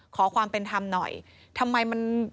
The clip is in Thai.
ขอความเป็นธรรมหน่อยทำไมมัน